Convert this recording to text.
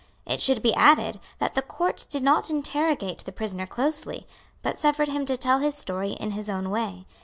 It should be added, that the Court did not interrogate the prisoner closely, but suffered him to tell his story in his own way.